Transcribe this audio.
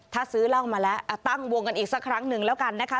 ถ้าซื้อเหล้ามาแล้วตั้งวงกันอีกสักครั้งหนึ่งแล้วกันนะคะ